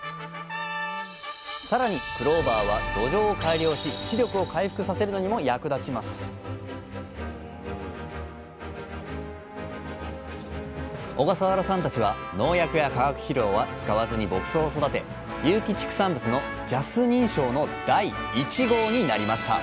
さらにクローバーは土壌を改良し地力を回復させるのにも役立ちます小笠原さんたちは農薬や化学肥料は使わずに牧草を育て有機畜産物のＪＡＳ認証の第１号になりました